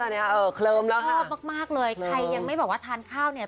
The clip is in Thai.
แล้วนะคะตอนเนี้ยเออเคลิมแล้วฮะชอบมากมากเลยใครยังไม่บอกว่าทานข้าวเนี้ย